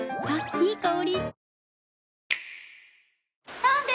いい香り。